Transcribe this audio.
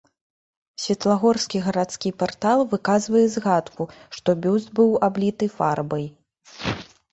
Светлагорскі гарадскі партал выказвае згадку, што бюст быў абліты фарбай.